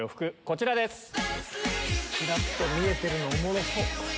ちらっと見えてるのおもろっ。